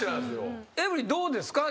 エブリンどうですか？